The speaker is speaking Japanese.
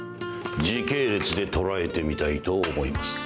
時系列で捉えてみたいと思います。